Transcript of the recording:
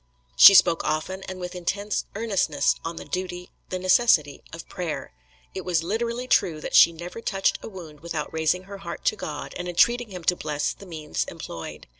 She spoke often and with intense earnestness, on the duty, the necessity, of prayer. It was literally true that she never touched a wound without raising her heart to God and entreating him to bless the means employed.